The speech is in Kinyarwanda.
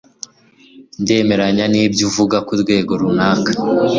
ndemeranya nibyo uvuga kurwego runaka